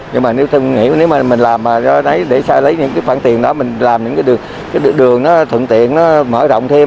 nhưng mà nếu mình làm để xài lấy những khoản tiền đó mình làm những đường thuận tiện mở rộng thêm